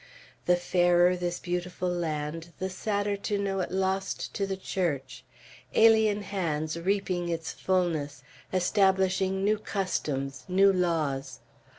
The fairer this beautiful land, the sadder to know it lost to the Church, alien hands reaping its fulness, establishing new customs, new laws.